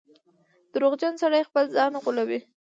• دروغجن سړی خپل ځان غولوي.